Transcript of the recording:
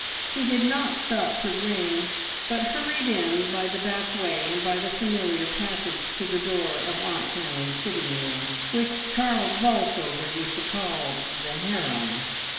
He did not stop to ring, but hurried in by the back way and by the familiar passage to the door of Aunt Fanny's sitting room, which Charles Bolsover used to call the harem.